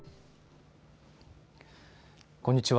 こんにちは。